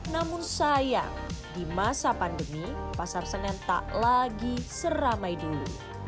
namun sayang di masa pandemi pasar senen tak lagi seramai dulu